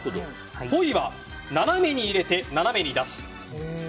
ポイは斜めに入れて斜めに出す。